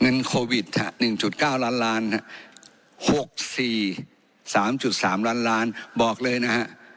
โควิด๑๙ล้านล้าน๖๔๓๓ล้านล้านบอกเลยนะฮะ